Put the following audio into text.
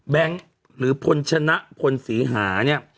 หรือพลชนะพลศรีหาเนี่ย